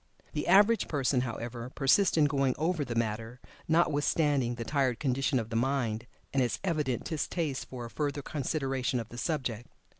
The average person, however, persists in going over the matter, notwithstanding the tired condition of the mind, and its evident distaste for a further consideration of the subject.